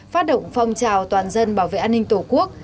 phát động phong trào toàn dân bảo vệ an ninh tổ quốc